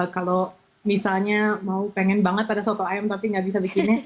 kalau misalnya mau pengen banget pada soto ayam tapi nggak bisa di sini